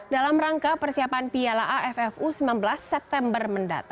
dalam rangka persiapan piala aff u sembilan belas september